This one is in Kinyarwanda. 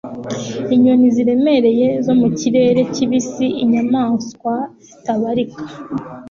Inyoni ziremereye zo mu kirere kibisi inyamanswa zitabarika